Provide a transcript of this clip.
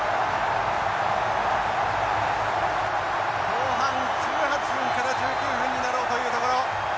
後半１８分から１９分になろうというところ。